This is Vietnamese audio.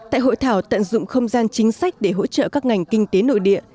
tại hội thảo tận dụng không gian chính sách để hỗ trợ các ngành kinh tế nội địa